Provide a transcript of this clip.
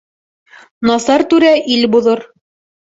Насар түрә ил боҙор.